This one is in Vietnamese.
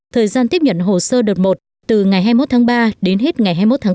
thời gian tiếp nhận hồ sơ đợt một từ ngày hai mươi một tháng ba đến hết ngày hai mươi một tháng bốn